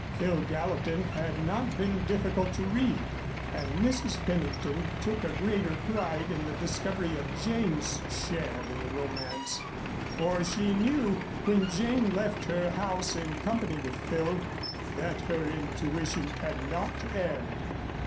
Phil Gallatin had not been difficult to read, and Mrs. Pennington took a greater pride in the discovery of Jane's share in the romance, for she knew when Jane left her house in company with Phil that her intuition had not erred.